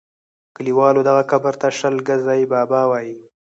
کلیوالو دغه قبر ته شل ګزی بابا ویل.